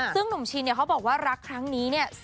ซึ่งหนุ่มชินเนี่ยเขาบอกว่ารักครั้งนี้เนี่ย